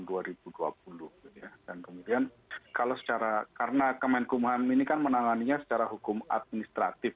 dan kemudian kalau secara karena kemenkum ham ini kan menanganinya secara hukum administratif